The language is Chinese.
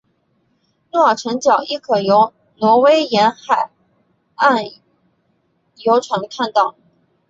诺尔辰角亦可以由挪威沿岸游船看到。